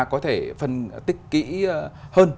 có thể phân tích kỹ hơn